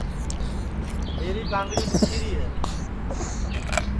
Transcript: میری کانگڑی دُؔکھیری ہے